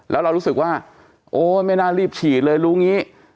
แล้วเรารู้สึกว่าโอ๊ยไม่น่ารีบฉีดเลยรู้อย่างนี้